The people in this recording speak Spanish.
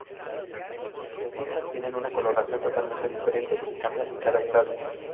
Las ninfas tienen una coloración totalmente diferente, que cambia en cada estadio.